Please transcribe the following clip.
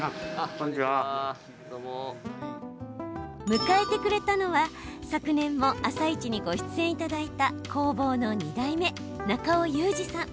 迎えてくれたのは、昨年も「あさイチ」にご出演いただいた工房の２代目、中尾雄二さん。